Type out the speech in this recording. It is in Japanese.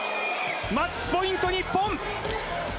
マッチポイント、日本。